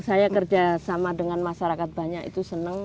saya kerja sama dengan masyarakat banyak itu senang